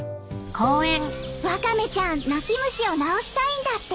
ワカメちゃん泣き虫を直したいんだって？